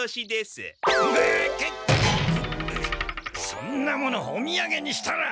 そんなものおみやげにしたら。